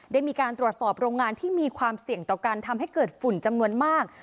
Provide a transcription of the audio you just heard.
ได้มีการตรวจสอบโรงงานที่มีความเสี่ยงต่อการทำให้เกิดฝุ่นจำนวนมาก